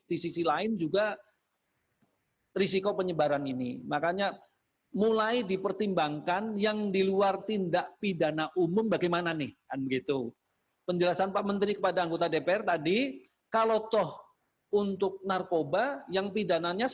dan masih banyak kategori kategori lain yang seharusnya menjadi prioritas